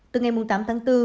từ ngày tám tháng bốn